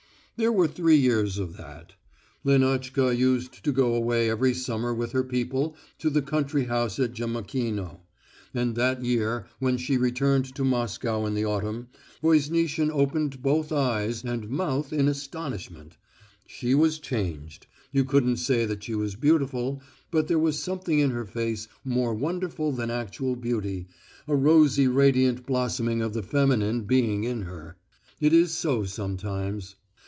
There were three years of that. Lenotchka used to go away every summer with her people to their country house at Jemakino, and that year, when she returned to Moscow in the autumn, Voznitsin opened both eyes and mouth in astonishment. She was changed; you couldn't say that she was beautiful, but there was something in her face more wonderful than actual beauty, a rosy radiant blossoming of the feminine being in her. It is so sometimes.